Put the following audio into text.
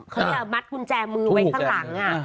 เขาเรียกมัดกุญแจมือไว้ข้างหลัง